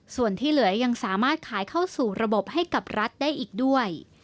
ส่วนที่เหลือยังสามารถขายเข้าสู่ระบบให้กับรัฐได้อีกด้วย